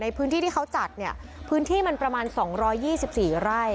ในพื้นที่ที่เขาจัดเนี่ยพื้นที่มันประมาณสองร้อยยี่สิบสี่ไร่